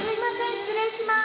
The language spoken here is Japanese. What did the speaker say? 失礼いたします。